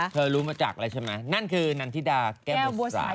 เธอรู้มาจากอะไรใช่ไหมนั่นคือนันธิดาแก้วบัวสาย